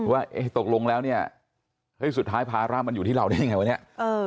ว่าตกลงแล้วเนี่ยเฮ้ยสุดท้ายภาระมันอยู่ที่เราได้ยังไงวะเนี่ย